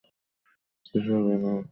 কিছু হবে না ওর।